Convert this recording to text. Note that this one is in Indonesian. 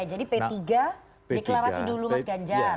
jadi p tiga deklarasi dulu mas ganjar